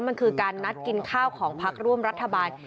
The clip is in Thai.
มันคือการนัดกินข้าวของพักร่วมรัฐบาล